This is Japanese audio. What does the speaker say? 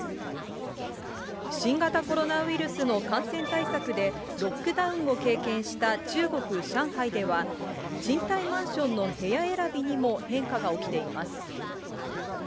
新型コロナウイルスの感染対策で、ロックダウンを経験した中国・上海では、賃貸マンションの部屋選びにも変化が起きています。